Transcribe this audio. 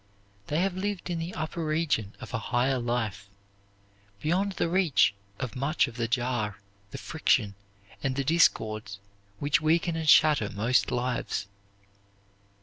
They have lived in the upper region of a higher life, beyond the reach of much of the jar, the friction, and the discords which weaken and shatter most lives.